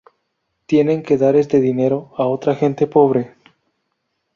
Tienen que dar este dinero a otra gente pobre.